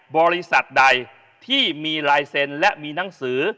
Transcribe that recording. บริษัทใดที่มีลายเซ็นต์และมีหนังสือ